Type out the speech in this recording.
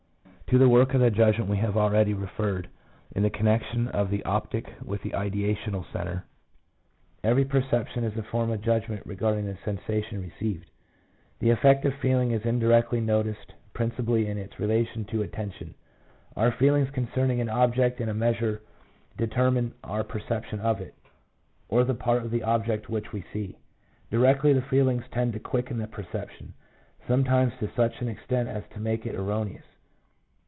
To the work of the judgment we have already re ferred in the connection of the optic with the idea tional centre. Every perception is a form of judgment regarding the sensation received. The effect of feeling is indirectly noticed principally in its relation to attention. Our feelings concerning an object in a measure determine our perception of it, or the part of the object which we see. Directly the feelings tend to quicken the perception, sometimes to such an extent as to make it erroneous.